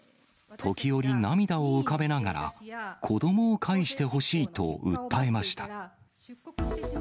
時折、涙を浮かべながら、子どもをかえしてほしいと訴えました。